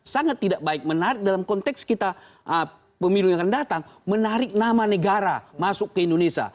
sangat tidak baik menarik dalam konteks kita pemilu yang akan datang menarik nama negara masuk ke indonesia